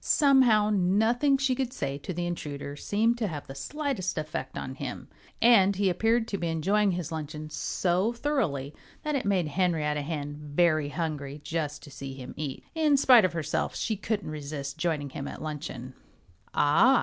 Somehow nothing she could say to the intruder seemed to have the slightest effect on him. And he appeared to be enjoying his luncheon so thoroughly that it made Henrietta Hen very hungry just to see him eat. In spite of herself she couldn't resist joining him at luncheon. "Ah!"